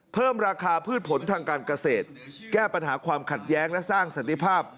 เพิ่มราคาพืชผลทางการเกษตรแก้ปัญหาความขัดแย้งและสร้างสันติภาพ